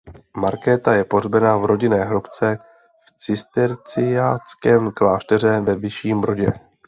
Markéta je pohřbena v rodinné hrobce v cisterciáckém klášteře ve Vyšším Brodě.